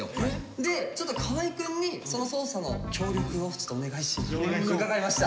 でちょっと河合くんにその捜査の協力をちょっとお願いしようと伺いました。